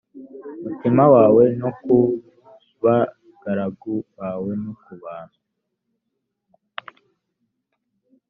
mutima wawe no ku bagaragu bawe no ku bantu